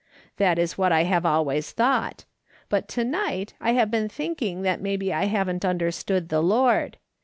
That is what I have always thought ; but to night I've been thinking that maybe I haven't understood the Lord.